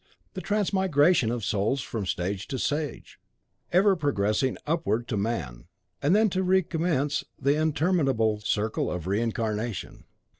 the transmigration of souls from stage to stage, ever progressing upward to man, and then to recommence the interminable circle of reincarnation.